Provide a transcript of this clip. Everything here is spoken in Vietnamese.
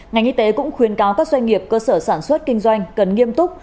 ngành y tế cũng khuyên cáo các doanh nghiệp cơ sở sản xuất kinh doanh cần nghiêm túc